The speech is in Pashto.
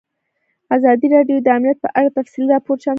ازادي راډیو د امنیت په اړه تفصیلي راپور چمتو کړی.